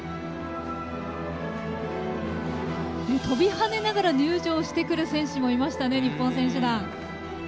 跳びはねながら入場してくる選手もいましたね日本選手団。